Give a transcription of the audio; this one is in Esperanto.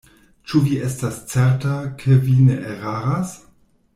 Ĉu vi estas certa, ke vi ne eraras?